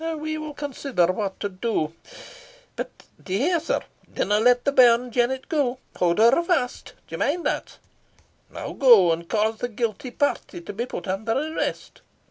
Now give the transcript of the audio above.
We will consider what to do. But d'ye hear, sir? dinna let the bairn Jennet go. Haud her fast. D'ye mind that? Now go, and cause the guilty party to be put under arrest."